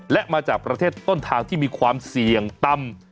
และมาจากประเทศต้นทางที่มีความเสี่ยงต่ำ